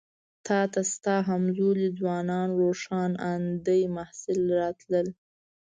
تا ته ستا همزولي ځوانان روښان اندي محصلین راتلل.